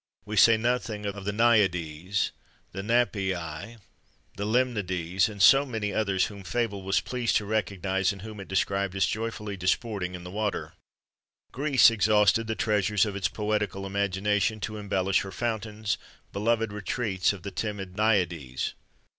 We say nothing of the Naiades, the Napææ, the Limnades, and so many others whom fable was pleased to recognise, and whom it described as joyfully disporting in the water. Greece exhausted the treasures of its poetical imagination to embellish her fountains, beloved retreats of the timid Naiades.